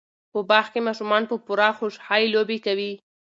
په باغ کې ماشومان په پوره خوشحۍ لوبې کوي.